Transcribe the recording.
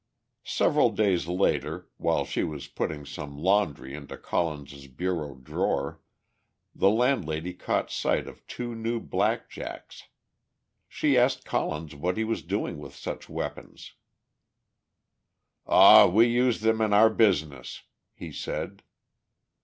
Several days later, while she was putting some laundry into Collins' bureau drawer the landlady caught sight of two new blackjacks. She asked Collins what he was doing with such weapons. "Aw, we use them in our business," he said.